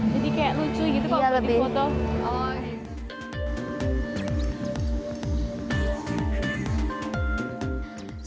jadi kayak lucu gitu kok buat foto